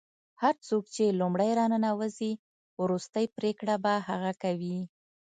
هر څوک چې لومړی راننوځي وروستۍ پرېکړه به هغه کوي.